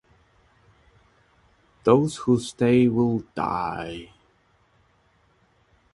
Those who stay will die!